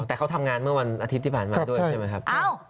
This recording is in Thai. แต่เขาทำงานเมื่อวันอาทิตย์ที่ผ่านมาด้วยใช่ไหมครับ